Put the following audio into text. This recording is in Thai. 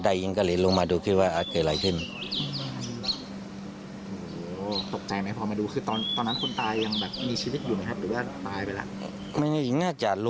ดายยิงกะเลลงมาดูคิดว่าอาจเกิดอะไรขึ้น